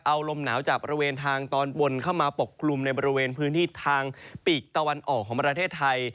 เอาลมหนาวจากบริเวณทางตอนบนเข้ามาปกกลุ่มในบริเวณพื้นที่ทางปีกตะวันออกของประเทศไทย